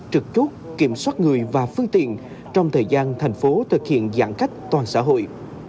trực chốt kiểm soát người và phương tiện trong thời gian thành phố thực hiện giãn cách toàn xã hội